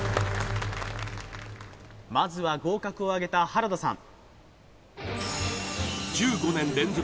まずは合格をあげた原田さん